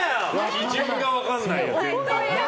基準が分かんないよ。